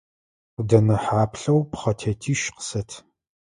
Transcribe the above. Ӏудэнэ хьаплъэу пхъэтетищ къысэт.